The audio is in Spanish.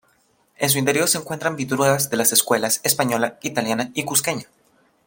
En su interior se encuentran pinturas de las escuelas: española, italiana y cuzqueña.